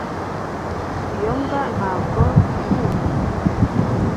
iyo mbwa ntabwo iruma